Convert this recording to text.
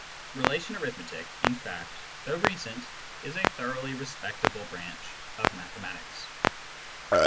Relation arithmetic, in fact, though recent, is a thoroughly respectable branch of mathematics.